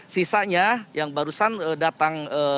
sisanya yang barusan datang